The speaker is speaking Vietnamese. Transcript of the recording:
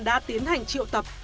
đã tiến hành triệu tập